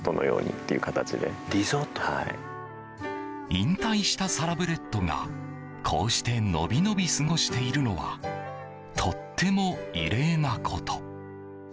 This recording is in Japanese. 引退したサラブレッドがこうしてのびのび過ごしているのはとっても異例なこと。